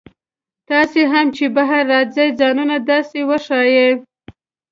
تاسي هم چې بهر راځئ ځانونه داسې وښایئ.